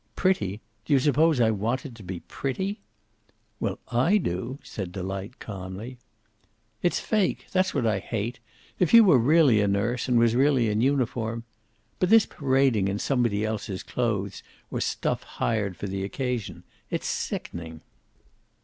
"Pretty! Do you suppose I want it be pretty?" "Well, I do," said Delight, calmly. "It's fake. That's what I hate. If you were really a nurse, and was really in uniform ! But this parading in somebody else's clothes, or stuff hired for the occasion it's sickening."